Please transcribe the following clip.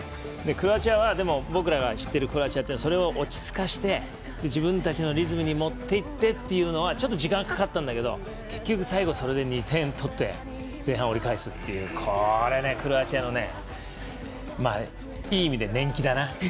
クロアチアは僕らが知ってるクロアチアってそれを落ち着かせて自分たちのリズムにもっていってっていうのはちょっと時間がかかったんだけど結局、最後それで２点取って前半、折り返すっていうこれ、クロアチアのいい意味で年季だな。